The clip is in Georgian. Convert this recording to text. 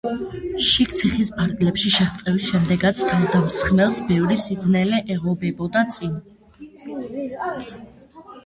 შიგ ციხის ფარგლებში შეღწევის შემდეგაც თავდამსხმელს ბევრი სიძნელე ეღობებოდა წინ.